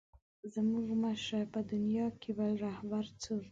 زموږ مه شه په دنیا کې بل رهبر څوک.